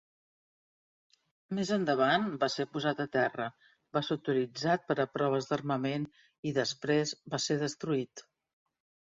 Més endavant va ser posat a terra, va ser utilitzat per a proves d'armament i després va ser destruït.